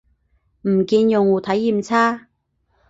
唔見用戶體驗差